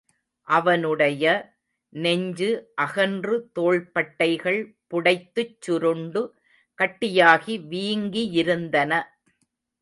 அவனுடைய, நெஞ்சு அகன்று தோள்பட்டைகள், புடைத்துச் சுருண்டு கட்டியாகி வீங்கியிருந்தன.